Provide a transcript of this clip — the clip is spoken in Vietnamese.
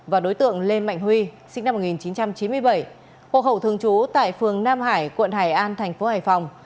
và đối tượng lê mạnh huy sinh năm một nghìn chín trăm chín mươi bảy hộ khẩu thường trú tại phường nam hải quận hải an thành phố hải phòng